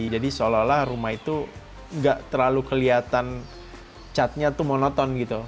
jadi seolah olah rumah itu nggak terlalu kelihatan catnya monoton gitu